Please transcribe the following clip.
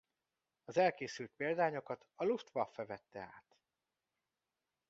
Az elkészült példányokat a Luftwaffe vette át.